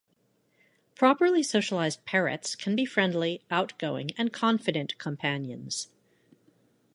Properly socialized parrots can be friendly, outgoing and confident companions.